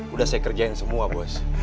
udah saya kerjain semua bos